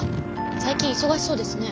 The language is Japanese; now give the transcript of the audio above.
最近忙しそうですね。